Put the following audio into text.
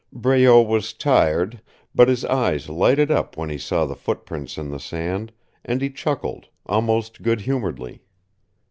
Breault was tired, but his eyes lighted up when he saw the footprints in the sand, and he chuckled almost good humoredly.